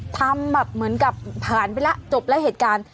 ทำแบบเหมือนกับผ่านไปแล้วจบแล้วเหตุการณ์